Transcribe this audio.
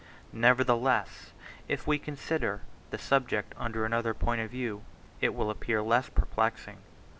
Nevertheless, if we consider the subject under another point of view, it will appear less perplexing.